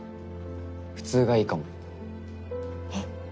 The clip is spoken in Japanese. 普通がいいかも。え？